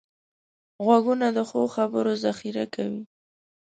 غوږونه د ښو خبرو ذخیره کوي